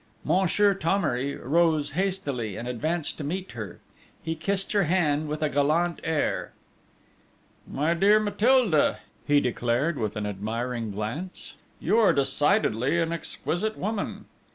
Monsieur Thomery rose hastily, and advanced to meet her. He kissed her hand with a gallant air: "My dear Mathilde," he declared with an admiring glance, "you are decidedly an exquisite woman!"